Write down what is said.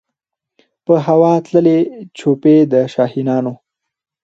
په هوا تللې جوپې د شاهینانو